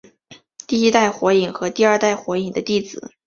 第一代火影和第二代火影的弟子。